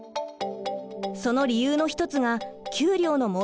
その理由の一つが給料の問題です。